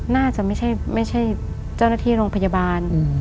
น่าจะไม่ใช่เจ้าหน้าที่โรงพยาบาล